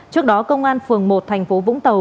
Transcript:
trước đó công an phường một thành phố vũng tàu